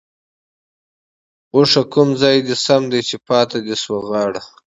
ـ اوښه کوم ځاى د سم دى ،چې پاتې شوه غاړه؟؟